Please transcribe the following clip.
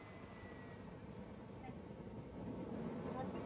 lakini maneno mengi sana ya asili ya Kiingereza